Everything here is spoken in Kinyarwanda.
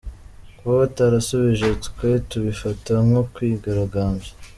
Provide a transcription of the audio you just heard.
Kuba batarasubije twe tubifata nko kwigaragambya.